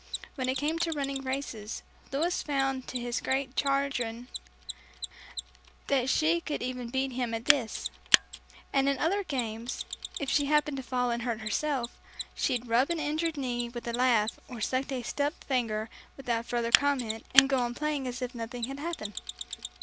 When it came to running races, Louis found to his great chagrin, that she could even beat him at this; and in the other games if she happened to fall and hurt herself, she'd rub an injured knee with a laugh or sucked a stubbed finger without further comment, and go on playing as if nothing had happened.